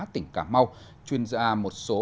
tỉnh cà mau chuyên gia một số